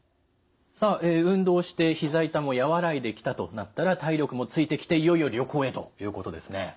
さあ運動してひざ痛も和らいできたとなったら体力もついてきていよいよ旅行へということですね。